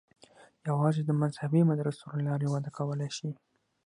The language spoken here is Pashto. یوازې د مذهبي مدرسو له لارې وده کولای شي.